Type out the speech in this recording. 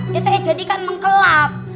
ya saya jadi kan mengkelap